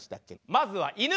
まずは犬。